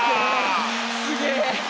すげえ！